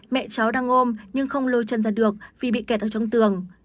mẹ cháu đang ôm nhưng không lôi chân ra được vì bị kẹt ở trong tường